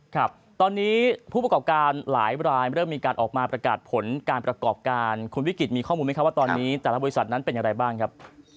ครับตอนนี้ผู้ประกอบการหลายรายเริ่มมีการออกมาประกาศผลการประกอบการคุณวิกฤตมีข้อมูลไหมครับว่าตอนนี้แต่ละบริษัทนั้นเป็นอย่างไรบ้างครับ